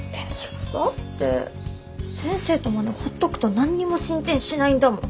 いやだって先生とモネほっとくと何にも進展しないんだもん。